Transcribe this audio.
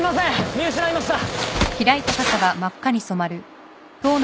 見失いました。